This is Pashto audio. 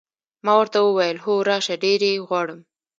ما ورته وویل: هو، راشه، ډېر یې غواړم.